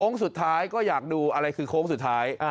สุดท้ายก็อยากดูอะไรคือโค้งสุดท้าย